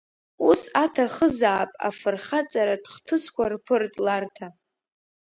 Ус аҭахызаап афырхаҵаратә хҭысқәа рԥыртларҭа.